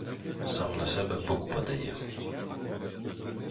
Сам на себе бук подає!